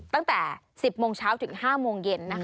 ตั้งแต่๑๐โมงเช้าถึง๕โมงเย็น